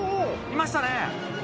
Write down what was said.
いましたね